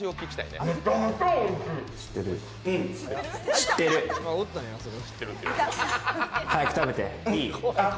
知ってる！早く食べて。